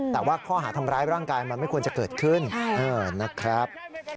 แต่ว่าข้อหาทำร้ายร่างกายมันไม่ควรจะเกิดขึ้นนะครับ